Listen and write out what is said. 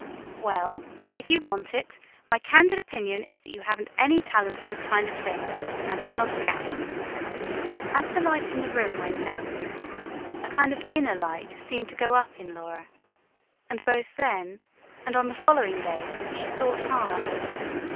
"Well, if you want it, my candid opinion is that you haven't any talent for this kind of thing. Now turn off the gas." As the light in the room went out, a kind of inner light seemed to go up in Laura; and both then and on the following days she thought hard.